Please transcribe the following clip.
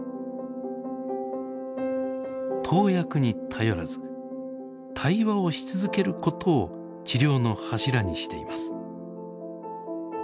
投薬に頼らず対話をし続けることを治療の柱にしています。